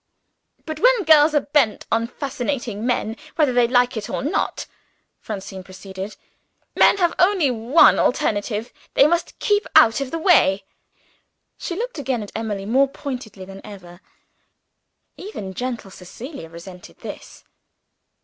"But when girls are bent on fascinating men, whether they like it or not," Francine proceeded, "men have only one alternative they must keep out of the way." She looked again at Emily, more pointedly than ever. Even gentle Cecilia resented this.